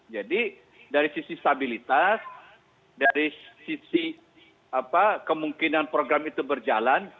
jadi dari sisi stabilitas dari sisi kemungkinan program itu berjalan